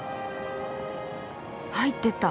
入ってった。